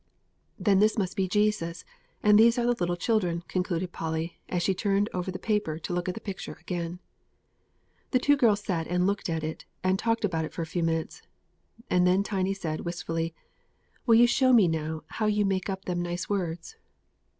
"Then this must be Jesus, and these are the little children," concluded Polly, as she turned over the paper to look at the picture again. The two girls sat and looked at it and talked about it for a few minutes, and then Tiny said wistfully: "Will you show me now how you make up them nice words?"